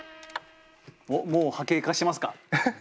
おっもう波形化しますか？